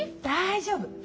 大丈夫！